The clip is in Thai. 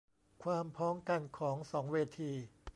ความพ้องกันของสองเวที